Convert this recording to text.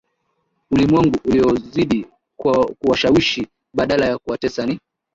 ulimwengu uliozidi kuwashawishi badala ya kuwatesa Ni